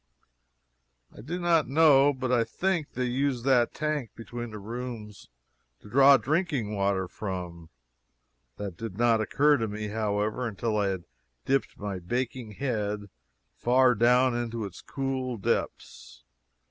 I do not know, but I think they used that tank between the rooms to draw drinking water from; that did not occur to me, however, until I had dipped my baking head far down into its cool depths.